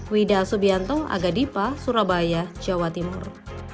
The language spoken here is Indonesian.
widha subianto agha dipa surabaya jawa timur